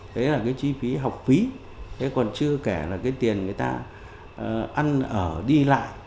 thế là cái chi phí học phí còn chưa kể là cái tiền người ta ăn ở đi lại